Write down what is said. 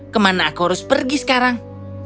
kemana aku harus pergi sekarang